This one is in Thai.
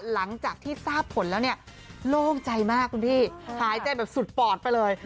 หลังจากที่ทราบผลแล้วเนี่ยโล่งใจมากคุณพี่หายใจแบบสุดปอดไปเลย